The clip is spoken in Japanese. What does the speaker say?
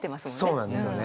そうなんですよね。